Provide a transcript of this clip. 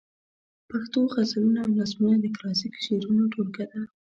پښتو غزلونه او نظمونه د کلاسیک شعرونو ټولګه ده.